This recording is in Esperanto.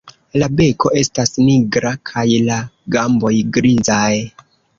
La beko estas nigra kaj la gamboj grizaj.